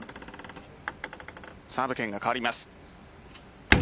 サーブ権が変わります。